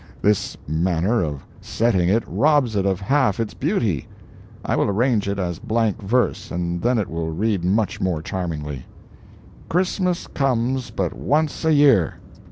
This manner of "setting it" robs it of half its beauty. I will arrange it as blank verse, and then it will read much more charmingly: "CHRISTMAS COMES BUT ONCE A YEAR."